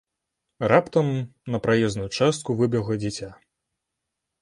Раптам на праезную частку выбегла дзіця.